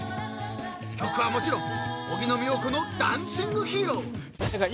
［曲はもちろん荻野目洋子の『ダンシング・ヒーロー』］